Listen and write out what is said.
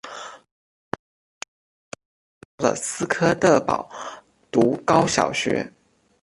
十三岁时阿肯色州的斯科特堡读高小学。